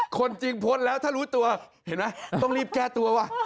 คนจริงพ้นแล้วถ้ารู้ตัวเห็นไหมต้องรีบแก้ตัวว่ะ